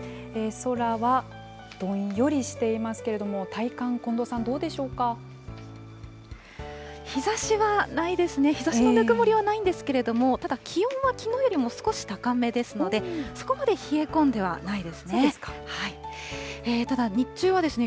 空はどんよりしてますけれども、日ざしはないですね、日ざしのぬくもりはないんですけれども、ただ気温はきのうよりも少し高めですので、そこまで冷え込んではいないですね。